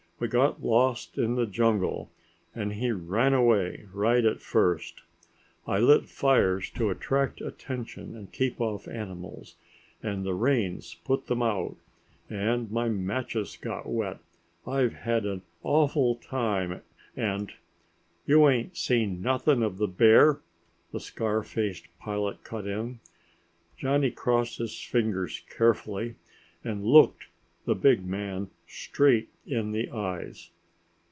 We got lost in the jungle and he ran away, right at first. I lit fires to attract attention and keep off animals, and the rains put them out and my matches got wet. I've had an awful time, and...." "You ain't seen nothing of the bear?" the scar faced pilot cut in. Johnny crossed his fingers carefully and looked the big man straight in the eyes.